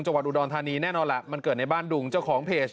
จังหวัดอุดรธานีแน่นอนล่ะมันเกิดในบ้านดุงเจ้าของเพจ